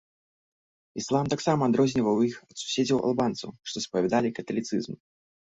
Іслам таксама адрозніваў іх ад суседзяў-албанцаў, што спавядалі каталіцызм.